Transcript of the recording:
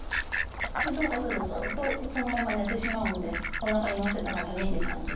でどうかするとずっとそのまま寝てしまうんでおなかにのせたまま２時３時っていう。